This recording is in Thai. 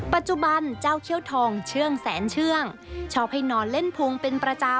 ปัจจุบันเจ้าเขี้ยวทองเชื่องแสนเชื่องชอบให้นอนเล่นพงเป็นประจำ